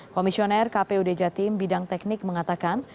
komisioner kpud jatim bidang teknik mengatakan